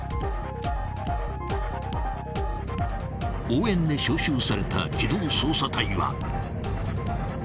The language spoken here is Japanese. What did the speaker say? ［応援で招集された機動捜査隊は］